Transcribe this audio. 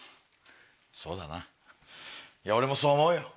そうだないや俺もそう思うよ。